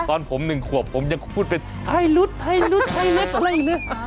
ตอนผมหนึ่งขวบผมยังพูดเป็นไทรุดไทรุดไทรรัฐอะไรอย่างนี้